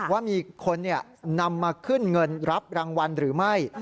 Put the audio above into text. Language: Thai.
ว่ามีคนนำมาขึ้นเงินรับรางวัลหรือไม่